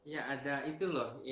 ya ada itu loh